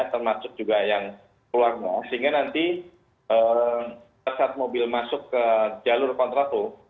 termasuk juga yang keluarnya sehingga nanti saat mobil masuk ke jalur kontraflow